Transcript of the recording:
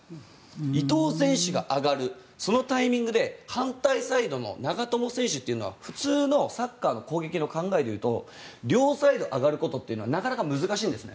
伊東選手が上がるそのタイミングで反対サイドの長友選手というのは普通のサッカーの攻撃の考えでいうと両サイド上がることっていうのはなかなか難しいんですね。